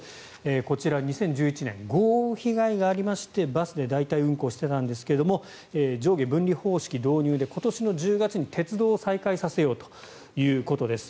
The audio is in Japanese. こちら、２０１１年豪雨被害がありましてバスで代替運行していたんですが上下分離方式導入で今年の１０月に鉄道を再開させようということです。